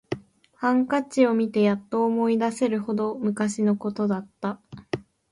ハンカチを見てやっと思い出せるほど昔のことだった